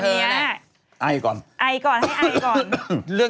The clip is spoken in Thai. ข่าวเธอนะไอก่อน